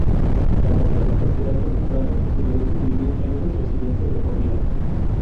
Fracasaron, tras quedar demostrado su derecho a vivir en esas residencias de por vida.